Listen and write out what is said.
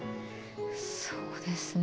そうですね。